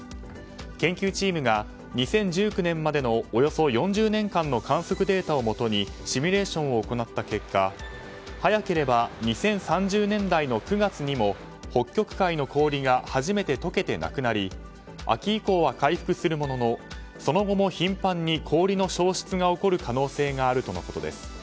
研究チームが２０１９年までのおよそ４０年間の観測データをもとにシミュレーションを行った結果早ければ２０３０年代の９月にも北極海の氷が初めて解けてなくなり秋以降は回復するもののその後も頻繁に氷の消失が起こる可能性があるとのことです。